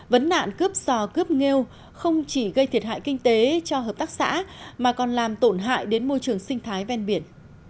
vấn nạn cướp sò cướp nghêu không chỉ gây thiệt hại kinh tế cho hợp tác xã mà còn làm tổn hại đến môi trường sinh thái ven biển